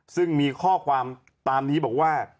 ซึ่งมีข้อความตามนี้บอกว่า